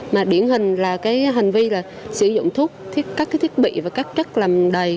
mà điển hình là hành vi sử dụng thuốc các thiết bị và các chất làm đầy